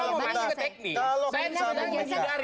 kalau mau masuk ke teknis saya ingin menjelaskan